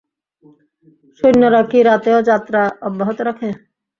সৈন্যরা কি রাতেও যাত্রা অব্যাহত রাখে?